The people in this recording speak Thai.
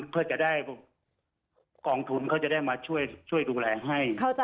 เพื่อจะได้กองทุนเขาจะได้มาช่วยดูแลให้